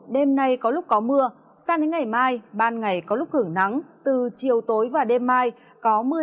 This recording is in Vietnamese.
đêm nay có lúc có mưa sang đến ngày mai ban ngày có lúc hưởng nắng từ chiều tối và đêm mai có mưa